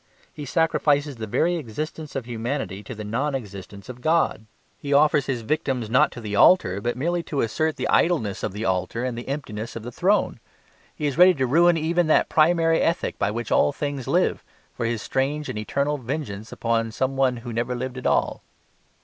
He sacrifices the very existence of humanity to the non existence of God. He offers his victims not to the altar, but merely to assert the idleness of the altar and the emptiness of the throne. He is ready to ruin even that primary ethic by which all things live, for his strange and eternal vengeance upon some one who never lived at all.